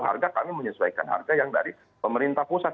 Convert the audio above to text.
harga kami menyesuaikan harga yang dari pemerintah pusat